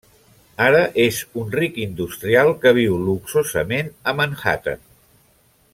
Ara és un ric industrial que viu luxosament a Manhattan.